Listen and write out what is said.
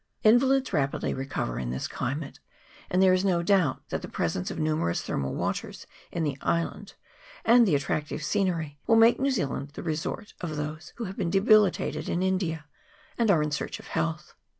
Invalids rapidly recover in this climate, and there is no doubt that the presence of numerous thermal waters in the island, and the attractive scenery, will make New Zealand the resort of those who have been debilitated in India, and are in search of health.